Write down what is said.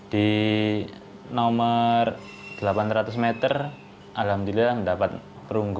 di nomor delapan ratus meter alhamdulillah mendapat perunggu